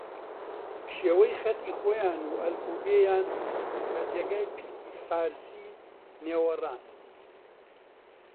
شێوەی خەتی خویان و ئەلفوبێ یان بە جێگای پیتی فارسی نێوەڕاست